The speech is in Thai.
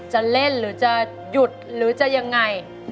จะเล่นหรือจะหยุดหรือจะยังไง